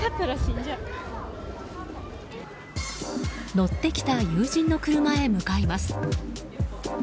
乗ってきた友人の車へ向かいます。